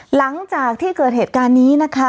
หลังจากที่เกิดเหตุการณ์นี้นะคะ